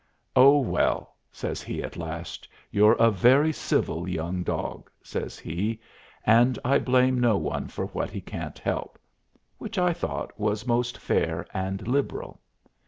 "Oh, well," says he at last, "you're a very civil young dog," says he, "and I blame no one for what he can't help," which I thought most fair and liberal.